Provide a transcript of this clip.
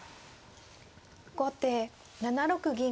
後手７六銀。